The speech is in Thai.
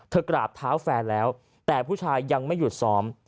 กราบเท้าแฟนแล้วแต่ผู้ชายยังไม่หยุดซ้อม